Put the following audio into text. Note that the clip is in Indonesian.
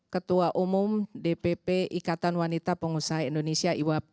ketua umum dpp ikatan wanita pengusaha indonesia iwap